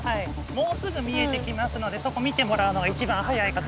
もうすぐ見えてきますのでそこ見てもらうのが一番早いかと思います。